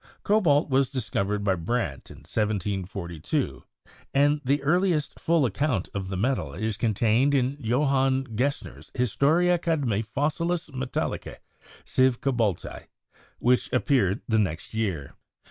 Cobalt was discovered by Brandt in 1742, and the earliest full account of the metal is contained in Johann Gesner's 'Historia cadmise fossilis metallicse sive cobalti,' which appeared the next year.